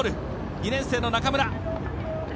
２年生の中村。